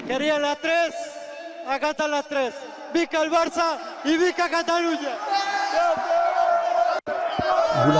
enrique mencatat keberhasilan di stadion tim barca dimeriahkan dengan alunan musik yang meriah